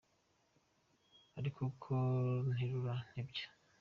Ariko uko nterura ntebya